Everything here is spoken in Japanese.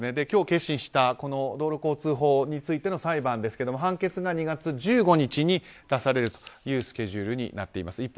今日結審した道路交通法についての裁判ですが判決が２月１５日に出されるというスケジュールになっています。